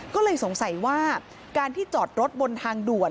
ก็เลยสงสัยว่าการที่จอดรถบนทางด่วน